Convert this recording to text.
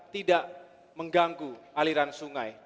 tidak mengganggu aliran sungai